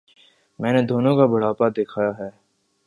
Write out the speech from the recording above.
میں نے دونوں کا بڑھاپا دیکھا ہے۔